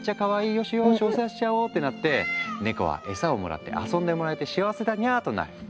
よしよしお世話しちゃおう」ってなってネコはエサをもらって遊んでもらえて幸せだにゃとなる。